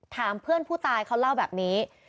ถามเพื่อนผู้ตายเขาเล่าแบบนี้